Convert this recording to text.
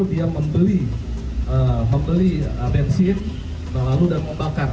dia membeli bensin lalu dan membakar